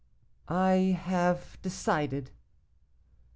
'I have decided.